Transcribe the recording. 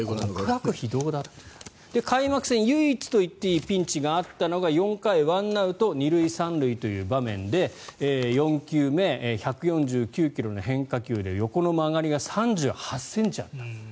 開幕戦、唯一といっていいピンチがあったのが４回１アウト２塁３塁という場面で４球目、１４９ｋｍの変化球で横の曲がりが３８ｃｍあった。